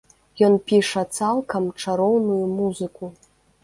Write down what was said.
Ён піша цалкам чароўную музыку.